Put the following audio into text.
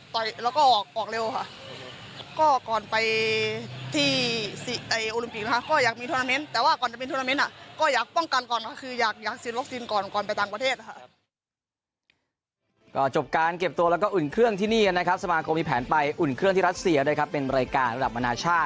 ต่อยแล้วก็ออกออกเร็วค่ะ